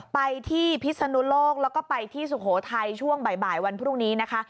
ไปที่พิศนุโลกแล้วก็ไปที่สุโขทัยช่วงบ่ายวันพรุ่งนี้นะคะ